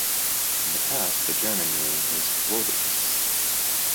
In the past the German name was "Woditz".